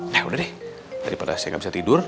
nah udah deh daripada saya gak bisa tidur